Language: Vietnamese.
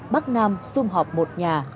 bác nam xung họp một nhà